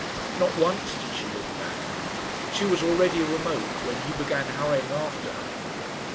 Not once did she look back. She was already remote when he began hurrying after her.